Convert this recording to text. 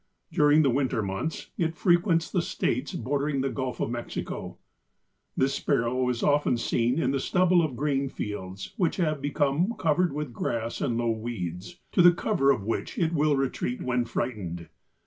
During the winter months it frequents the States bordering the Gulf of Mexico. This Sparrow is often seen in the stubble of grain fields which have become covered with grass and low weeds, to the cover of which it will retreat when frightened.